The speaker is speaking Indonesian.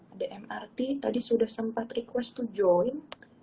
ada mrt tadi sudah sempat request to joint